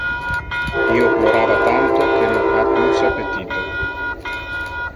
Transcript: Io plorava tanto que non ha plus appetito.